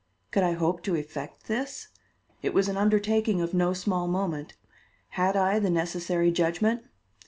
Could I hope to effect this? It was an undertaking of no small moment. Had I the necessary judgment?